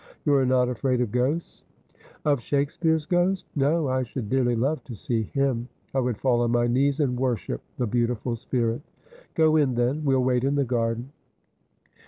' You are not afraid of ghosts ?' 268 Asphodel. ' Of Shakespeare's ghost ? No, I should dearly love to see him. I would fall on my knees and worship the beautiful spirit.' ' Go in, then. We'll wait in the garden.'